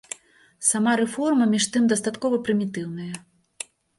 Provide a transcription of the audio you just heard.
Сама рэформа, між тым, дастаткова прымітыўная.